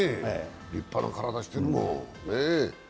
立派な体してるもん。